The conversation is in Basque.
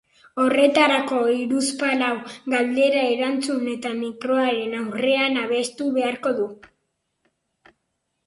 Horretarako, hiruzpalau galdera erantzun eta mikroaren aurrean abestu beharko du.